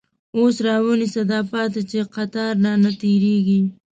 اوس راونیسه داپاتی، چی قطار رانه تير یږی